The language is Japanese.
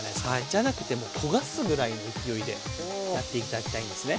じゃなくて焦がすぐらいの勢いでやって頂きたいんですね。